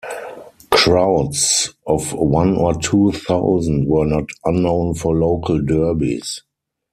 Crowds of one or two thousand were not unknown for local derbies.